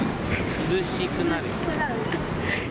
涼しくなる。